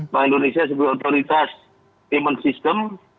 bank indonesia sebagai otoritas payment system